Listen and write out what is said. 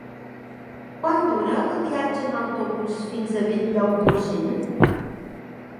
Quant dura el viatge en autobús fins a Bell-lloc d'Urgell?